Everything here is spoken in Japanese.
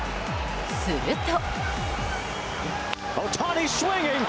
すると。